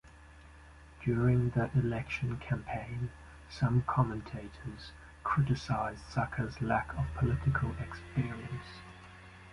During the election campaign, some commentators criticized Saca's lack of political experience.